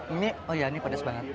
ini oh ya ini pedas banget